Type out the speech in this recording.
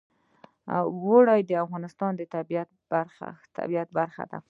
اوړي د افغانستان د طبیعت برخه ده.